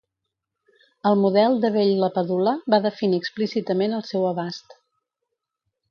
El model de Bell-LaPadula va definir explícitament el seu abast.